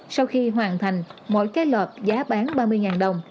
sau khi hoàn thành mỗi cái lợp giá bán ba mươi đồng